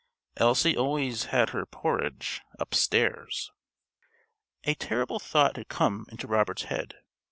~ Elsie always had her porridge ~UPSTAIRS~.) A terrible thought had come into Robert's head.